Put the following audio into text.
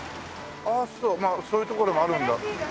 ああそうまあそういうところもあるんだ。